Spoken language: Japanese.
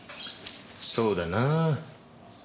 そうだなぁ。